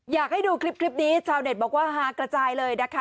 อยากให้ดูคลิปนี้ชาวเน็ตบอกว่าฮากระจายเลยนะคะ